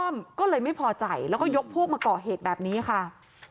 ก็เลยไม่พอใจแล้วก็ยกพวกมาก่อเหตุแบบนี้ค่ะ